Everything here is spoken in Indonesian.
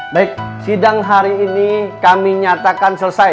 baik sidang hari ini kami nyatakan selesai